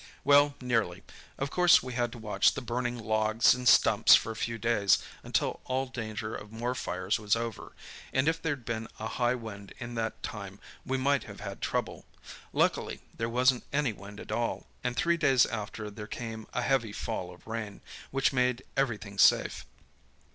"Well, nearly. Of course we had to watch the burning logs and stumps for a few days, until all danger of more fires was over, and if there'd been a high wind in that time we might have had trouble. Luckily there wasn't any wind at all, and three days after there came a heavy fall of rain, which made everything safe.